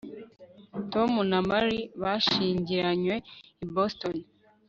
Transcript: tom na mary bashyingiranywe i boston